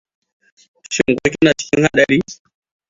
Shin ko kina cikin haɗari?